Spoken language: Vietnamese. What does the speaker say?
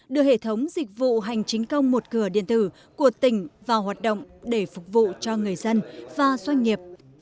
đưa hệ thống dịch vụ hành chính công một cửa điện tử của tỉnh vào hoạt động để phục vụ cho người dân và doanh nghiệp